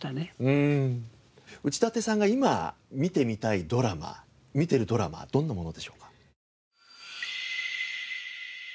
内館さんが今観てみたいドラマ観てるドラマどんなものでしょうか？